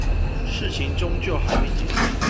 事情終究還沒解決